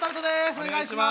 お願いします。